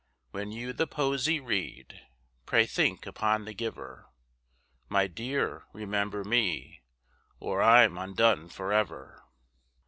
When you the posy read, Pray think upon the giver, My dear, remember me, Or I'm undone forever.